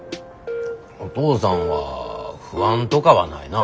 おとうさんは不安とかはないな。